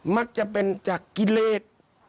มักจะเป็นจากกิเลส